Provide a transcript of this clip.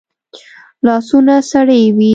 لاسونه سړې وي